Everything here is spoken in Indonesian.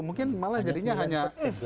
mungkin malah jadinya hanya